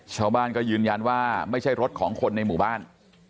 ชาวบ้านก็ยืนยันว่าไม่ใช่รถของคนในหมู่บ้าน